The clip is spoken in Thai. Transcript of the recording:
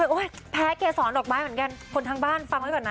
แพ้เกษรดอกไม้เหมือนกันคนทางบ้านฟังไว้ก่อนนะ